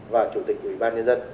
và chủ tịch ủy ban nhân dân